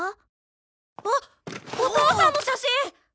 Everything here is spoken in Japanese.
あっお父さんの写真！